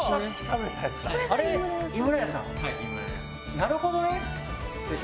なるほどね。